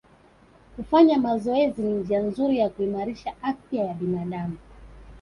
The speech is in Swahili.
Kufanya mazoezi ni njia nzuri ya kuimarisha afya ya binadamu